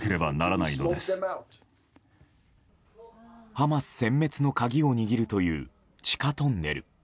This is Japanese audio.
ハマス殲滅の鍵を握るという地下トンネル。